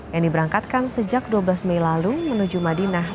yang diberangkatkan sejak dua belas mei lalu menuju madinah